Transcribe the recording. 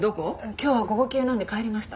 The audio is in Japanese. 今日は午後休なんで帰りました。